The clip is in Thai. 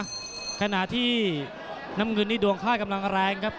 ขณะที่น้ำเงินนี่ดวงค่ากำลังแรงครับ